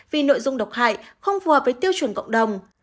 vì nội dung độc hại không phù hợp với tiêu chuẩn cộng đồng